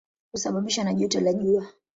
Husababishwa na joto la jua.